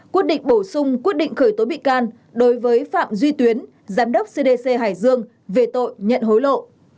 quyết định bổ sung quyết định khởi tố bị can đối với phạm duy tuyến giám đốc cdc hải dương về tội nhận hối lộ